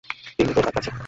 তিনি তো তার কাছে।